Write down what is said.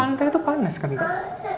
tapi pantai tuh panas kan pak